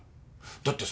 だってさ